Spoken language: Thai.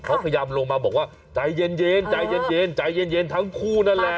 เขาพยายามลงมาบอกว่าใจเย็นใจเย็นใจเย็นทั้งคู่นั่นแหละ